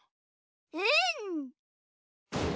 うん！